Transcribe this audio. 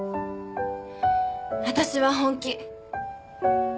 私は本気。